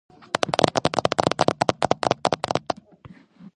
ამის შემდეგ დაიწყო კონსტანტინე გამსახურდიას სასტიკი კრიტიკა.